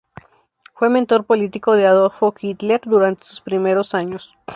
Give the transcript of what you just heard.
Fue mentor político de Adolf Hitler durante sus primeros años.